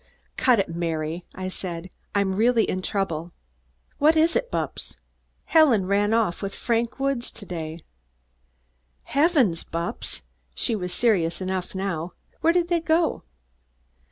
"Cut it, Mary!" I said. "I'm really in trouble." "What is it, Bupps?" "Helen ran off with Frank Woods to day." "Heavens, Bupps!" she was serious enough now. "Where did they go?"